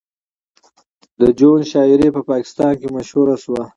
د جون شاعري په پاکستان کې مشهوره شوه